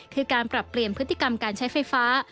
คือการปรับเปลี่ยนพฤติกรรมการใช้ไฟฟ้า